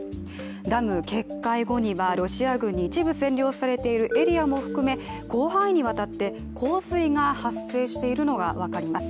ダム決壊後にはロシア軍に一部占領されているエリアも含め、広範囲にわたって洪水が発生しているのが分かります。